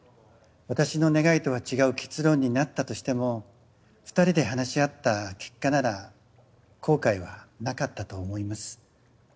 私の願いとは違う結論になったとしても２人で話し合った結果なら後悔はなかったと思います。